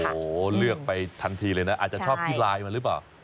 โอ้โหเลือกไปทันทีเลยนะอาจจะชอบที่ไลน์มาหรือเปล่า